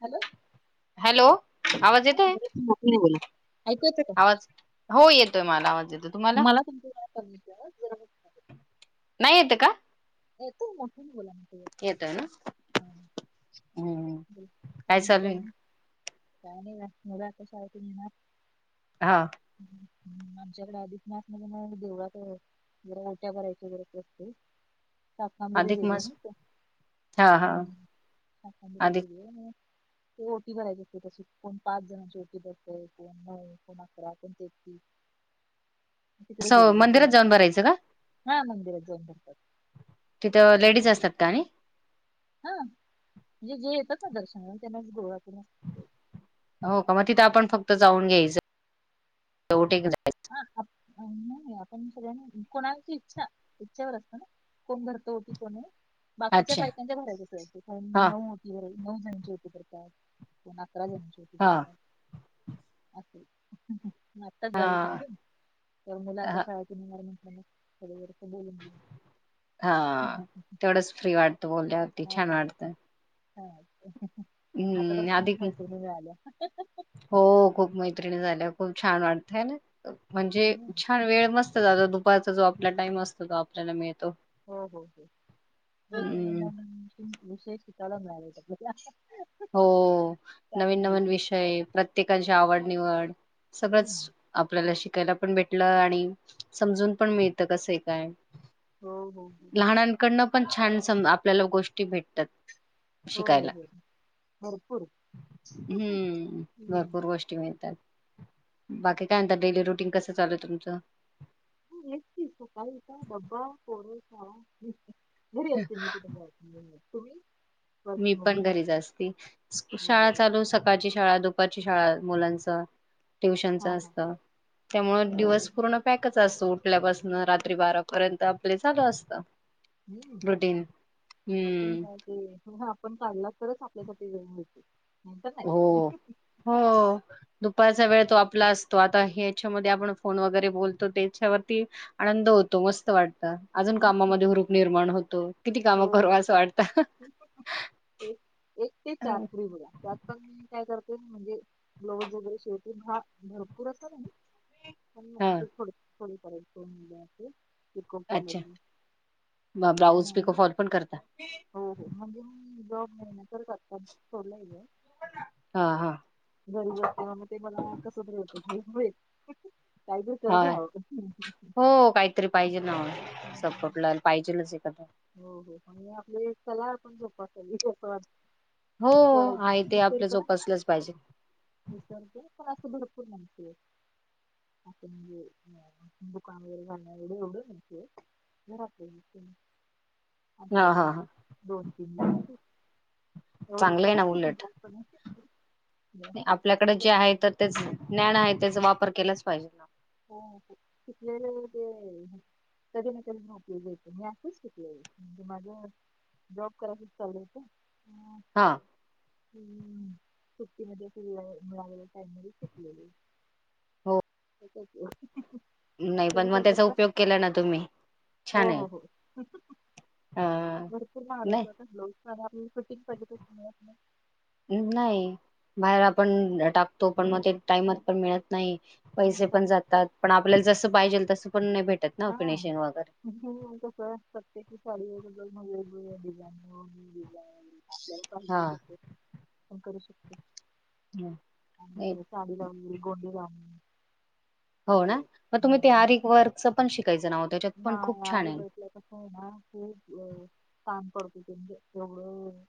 Hello hello आवाज हा येतोय? जरा तू मोठ्याने बोला ऐकू येतं का आवाज हो येत मला आवाज येत मला तुमच जरा कमी येतोय जरा नाही येत का? येतो मोठ्याने बोला ना क्लियर. येतोय ना हम्म काय चालू आहे [unintelligible] काही नाही बोला कशा आहे तुम्ही आ हा ह आमच्याकडे अधिक मासना देवळात ओट्या भरायच्या वैरत असते. [unintelligible] ते अधिक मास हा हा अधिक ओटी भरायच असते तस कोण पाच जणांची ओटी भरतय कोण नऊ कोण अकरा कोण तेहतीस. [inaudible] तिकडे असं मंदिरात गेलेली जाऊन भरायचं का हा मंदिरात जाऊन तिथं लेडीज हम्म. असतात का आणि? हा म्हणजे जे येतात ना दर्शना त्यांनाच गोळा करून हो का मग तिथं असं आपण फक्त जाऊन यायचं ओटी घेऊन जायच. [inaudible] नाय नाय आपण सगळ्यांना कोणाची इच्छा इच्छेवर असत ना! कोण भरत ओटी कोण नहीं? बाकीच्या अच्छा बायकांच्या भरायच्या कोन हा नऊ ओटी नऊ जनींची ओटी भरतात. अकरा जणांची ओटी हा भरतात अस आताच हा तर मुलं आता शाळेतून येणार म्हटलं म [unintelligible] हा तेवढच फ्री वाटतं बोलल्यावरती छान वाटतं. छान वाटते. आता तर हम्म खूप अधिक मैत्रिणी मिळाल्या. हो खूप मैत्रिणी झाल्या खूप छान वाटतंय हैना. म्हणजे हम्म. छान वेळ मस्त जातो दुपारचा जो आपला टाइम असतो तो आपल्याला मिळतो. हो हो हो वेगवेगळे हम्म नवनवीन विषय शिकायला मिळालेत आपल्याला. हो काही नवीन माहित नवीन नाही. विषय प्रत्येकाची आवड निवड. हम्म. सगळंच आपल्याला शिकायला पण भेटलं आणि समजून पण मिळत कसंये काय? हो हो हो लहनांकडनं पण छान सम आपल्याला गोष्टी भेटतात. हो हो शिकायला हो भरपूर हम्म भरपूर हम्म. गोष्टी मिळतात बाकी काय म्हणता डेरी रुटींग कसं चालू आहे तुमचं? निसती सुकाळी उठा डब्बा पोर शाळा. घरी असते मी कुठ जॉब नाहीये. तुम्ही? मी वर्किंग पण वुमन? घरीच असती हो शाळा हो हो. चालू सकाळची शाळा दुपारची शाळा. मुलाच ट्युशन च हां हां. असत, त्यामुळे ते दिवस पूर्ण पॅकच. सासू उठल्यापासन रात्री बारापर्यंत आपले चालू असत. हम्म रुटीन हम्म काय ते. पण काडला तरच आपल्यासाठी वेळ मिळतोय. हो. हो दुपारच्या वेळेत तो आपला असतो आता याच्यामध्ये आपण फोन वगैरे बोलतो त्याच्यावरती आनंद होतो मस्त वाटत. अजून हं. कामामध्ये हुरूप निर्माण होतो किती काम करू असं वाटतं. त [unintelligible] ते चार पुढे बोला त्यात पण, काय करते म्हणजे ब्लउज वगैरे शीवते हा भरपूर असतात आणि हा [unintelligible] अच्छा म ब्लाऊज आणि पिकफॉल पण करता. हो हो. म्हणजे मी जॉब नाही ना कतर आता सोडलय जॉब. हा हा. घरी बसल्याव ते मला कस तरी होत हा. हो काहीतरी पाहिजे ना हम्म. सपोर्टला पाहिजेलच एखादा. हो हो पन मी आपली एक कला पण जोपसावी असं हो वाटत आहे ते आपलं विसरते जोपासलंच पाहिजे पण अस भरपूर माहितीये. आपण म्हणजे दुकान वगैरे घालणार एवढं माहितीये. घरातल्या असले हा आपले हा पण हा दोन तीन ब्लाउज शिवते. चांगलं आहे ना उलट आपल्याकडे जे [unintelligible] आहे तर तेच ज्ञान आहे त्याचा वापर केलाच पाहिजे ना. हो शिकलेला मग ते कधी ना कधी म उपयोगी येते मी असंच शिकलेय म्हणजे माझं. जॉब करायचच चालू होत. हा. अम्म सुट्टीमध्ये फ मीळालेल्या टाईम मध्ये शिकलेले. हो. [unintelligible] नाही तुम्ही पण मग काय त्याचा करता? उपयोग केला ना तुम्ही. छान हो आहे हो हो अ भरपूर महागाचयत नाही आता ब्लाउज. पण आपल्याला सुट्टी पाहिजे ती मीळत न्हाय. नाही बाहेर आपण टाकतो पण मग ते टाइमात पण मिळत नाही पैसे हम्म. पण आणि जातात पण आपल्याला जस पाहिजेल तस हा जसं होईल तस जरते की. सााडी वगर मगै डिझाईन व डिझाईन आपल्या ला हा पाहिजे तस पण करू शकततो. नाही आणी साडीला वगैरे गोंडी लावने. हो ना मग तुम्ही ते आरीक वर्कच पण शिक नाही आरीक वर्कला कस आहे ना, की काम पडतो. ह [unintelligible]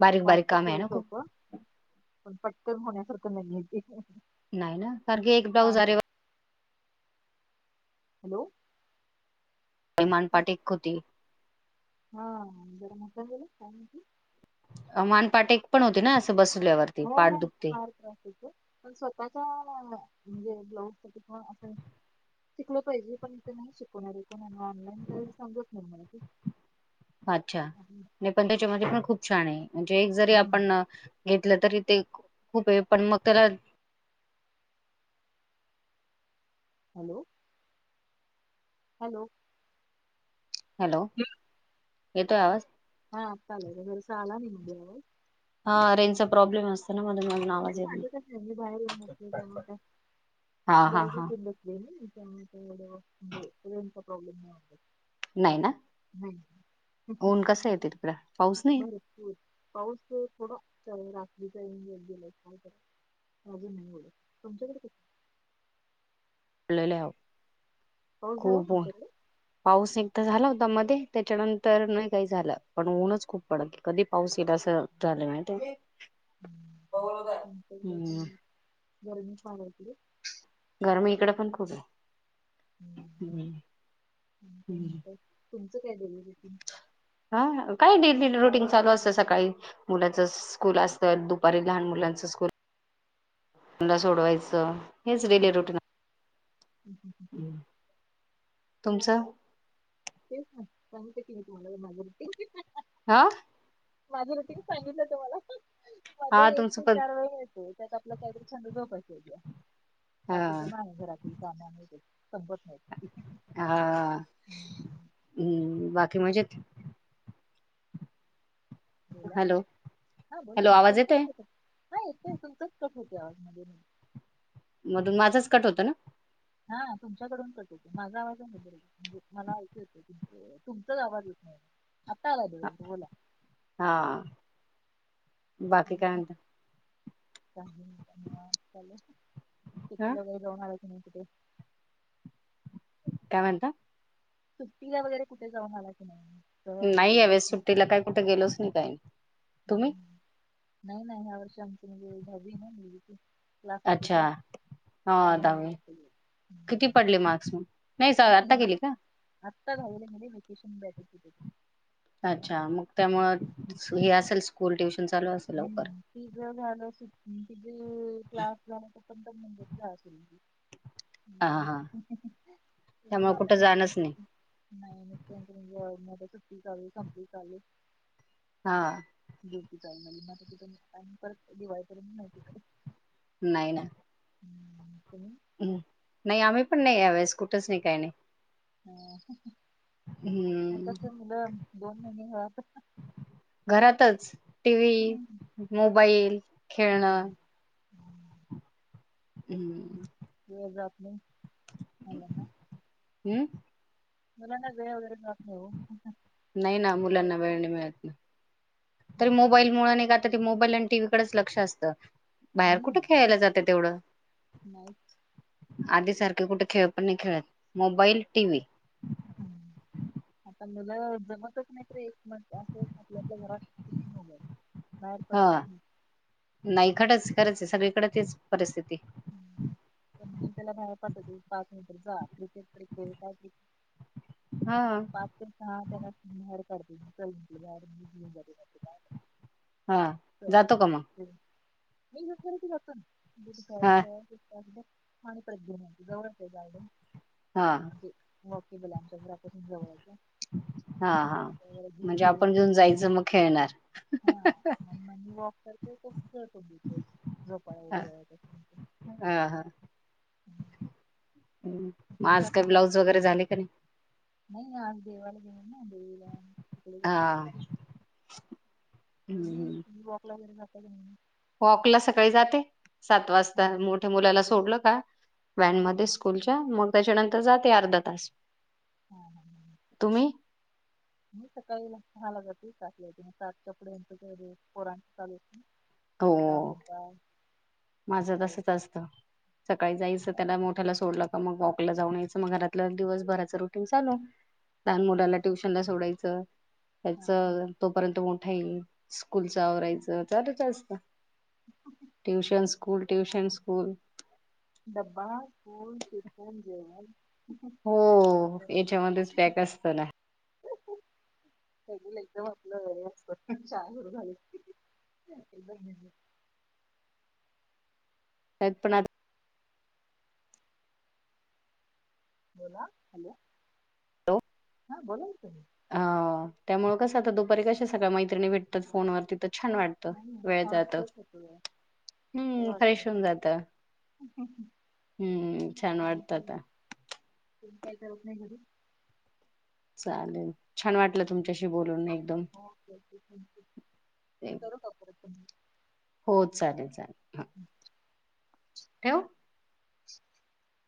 बारीक बारीक काम आहे ना खूप. प पटल होण्यासारखं नाहीये ते. नाही ना कार क एक ब्लाऊज काम पडत. अरे वर्क हॅलो. मान पट एक होती. हा जरा नंतर बोलू का मानपाट एक पण होते ना असं बस हो हो फार त्रास होतो पण स्वतःच्या म्हणजे ब्लाऊज तर पण असे. शिकलं पाहिजे पण ते हित नाही शिकवणार कोण अन ऑनलाईन काय समजत नाही मला ते. अच्छा नाही पण त्याच्यामध्ये पण खूप छान आहे म्हणजे एक जरी हम्म आपण घेतलं तरी ते खूप आहे पण मग त्याला हॅलो. हॅलो. हॅलो येतोय आवाज आत्ता आला का जरासा आला नाही हा. हा रेंचा प्रॉब्लेम असत. नाही माझ्या काी बाहेर येऊ नसले त्यामुळे का हां, हां, हां. गॅलरी बसले ना. म्हणजेचा प्रॉब्लेम नाही होत. नाही ना ऊन कस आहे तिकड बरं पाऊस थोडं. त्या रात्री का गेलाय काय कर अजून नाही बोल तुमच्याकडे हा. पाऊस झाला खूपऊन तुमच्याकडे? पाऊस एकदा झाला होता. ता मध्ये त्याच्यानंतर नाही काही झालं पण ऊनच खूप पडत क कधी पाऊस येईला असं झालं नाही माहिती आमच्या इकडे हम्म. पण गरमी पण आहे इकडे गरमी इकड पण खूप आहे. तुमचं काय दिलं. हा काय द. काय नाही रुटीन चालू असतं सकाळी मुलांच स्कूल असतं दुपारी लहान मुलांच स्कूल त्यांला सोडवायचं हेच डेली रुटीन तुमचं तेच ना सांगत की मी तुम्हाला माझं रुटीनचं हा माझी रतीने सांगितलं तुम्हाला मध्ये हा एक तुमचं ते पण चार वेळा येतो त्यात आपला काहीतरी छान झोपास यायची. हा बाकी तर माझं घरात काम आहेच. संपत नाही्. हा हम्म बाकी मजेत बोला हॅलो हा बोला हॅलो ना आवाज येतोय [unintelligible] हा येत तुमचच कट होते आवाजमध्ये मधून माझाच कट होतो ना. हा तुमच्याकडून कट होत माझा आवाजामध्येर मला ऐकू येत होतं तुमचाच आवाज येत नाही. [inaudible] आता आला बोला हा बाकी काय म्हणता? काही नाही निवांत चालय हा [unintelligible] कुठे. काय म्हणता? सुट्टीला वगैरे कुठे जाऊन आला की नाही. सहल नाही यावेस ट्रिप सुट्टीला काय कुठे गेलोच नाही काही, तुम्ही? नाही नाही ह्या वर्षी आमची म्हणजे दहावी ना मुलगीची क्लासेस अच्छा होते. हा त्यामुळे दहावी कुठे गेलो. किती हम्म. पडले मार्क्स म, नाही स आता ह्या केली वर्षी का? आत्ता दहावीला गेली वेकेशन बॅच होती. अच्छा मग त्यामुळे हे असेल स्कूल ट्युश हम्म तिझ झालं सुट्टी [unintelligible] हा नाही. हा [unintelligible] त्यामुळे कुठं जाणच नाही सुट्टी चालू संपली चालू हा. [unintelligible] परत दिवाळीपर्यंत नाही. नाही ना. हम्म, तुम्ही हम्म नाही आम्ही पण नाही यावेळेस कुठेच नाही काही नाही. हम्म. मग हम्म तस मुलं दोन महिने घरात टीव्ही, हम्म, मोबाईल, खेळणं हम्म दिवस जात नाही. [unintelligible] हम्म. मलांना वेळ वगैरे जात नाही ओ. नाही ना मुलांना वेळ नाही मिळत ना. तरी हम्म, मोबाईल मुळ आणि कायतरी मोबाईल आणि टीव्हीकडेच लक्ष असतं बाहेर कुठं खेळायला जातं येवढं नाहीच. आधी सारखे कुठे खेळ पण नाही खेळत मोबाईल, टीव्ही. हम्म. आता मुलं जमतच नाहीत तर एक म असं आपल्या आपल्या घरात टि. TV, mobile. बाहेर हा. पडतच नाही नाही खडच- खरंच आहे सगळीकडे तेच परिस्थिती हम्म. पण मी त्याला बाहेर पाठतते पाच नंतर जा क्रिकेट तरी खेळ काय क्रिक हा पाच ते सहा त्याला बाहेर काढते मी [unintelligible] हा चल जातो का मग? खेळ. हा [unintelligible] [unintelligible] गार्डन हा म्हणजे ते बोल्या आमच्या घरापासून जवळचंय. हा हा म्हणजे आपण घेऊन जायचं मग खेळणार. तर ते [unintelligible] झोपाळा वगैरे हाय ते. हा हा. हम्म. मग तुम्ही आज का जाता ब्लाऊज मग वगैरे झाले का नाही. नाही आज देवाला गेलो ना देवीला तिकडे जावून आलो हा त्यामुळं. तुम्ही तुम्ही वॉकला वगैरे जाताय की नाही? वॉकला सकाळी जाते सात वाजता हां, हां. मोठ्या मुलाला सोडल का हां, व्हॅनमध्ये स्कूलच्या मग त्याच्यानंतर जाते अर्धा तास. हां, हां, हां. तुम्ही? मी सकाळीला सहाला जाते सात ला येते मग सात च्या पुढ ह्यांच सगळं पोरांचं चालू. आता हो डबा माझं तसच असतं सकाळी जायचं त्याला मोठ्याला सोडल. मग वॉकला जाऊन यायचं मग घरातलं दिवसभराच रुटीन चालू लहान हां, मुलाला हां, ट्युशन ला सोडायचं. त्याच हां. तोपर्यंत मोठा येईल स्कूलचं आवरायचं चालूच असतं. ट्यूशन स्कूल ट्यूशन स्कूल डबा फूल टिफीन ते जेवन. हो याच्या मध्येच पॅक असत ना. [inaudible] एकदम आपलं हे असत [unintelligible] [inaudible] त्यात पण आता. बोला हॅलो हा बोला की ताई. हा त्यामुळे कसं आता दुपारी कशा सगळ्या मैत्रिणी भेटतात फोनवर्ती त छान वाटतं हं, वेळ छान जातं फ्रेश होतो जरा. बरं हम्म वाटतं फ्रेश होऊन जात हम्म छान वाटत आता. तम काही करत नाही घध [unintelligible] चालेल छान वाटलं तुमच्या मी करु का फोन हो चालेल चालेल हा. ठेऊ. [inaudible]